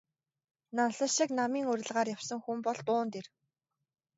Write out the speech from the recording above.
Нансал шиг намын уриалгаар явсан хүн бол дуун дээр...